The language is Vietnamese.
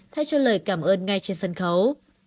thay cho lời cảm ơn ngay trên sân khấu